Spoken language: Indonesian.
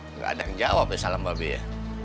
nggak ada yang jawab ya salah mbak b ya